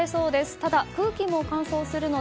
ただ、空気も乾燥するので